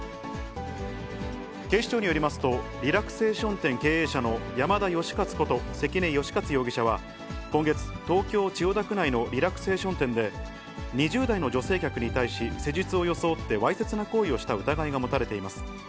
警視庁によりますと、リラクセーション店経営者の山田佳克こと関根佳克容疑者は、今月、東京・千代田区内のリラクセーション店で、２０代の女性客に対し、施術を装って、わいせつな行為をした疑いが持たれています。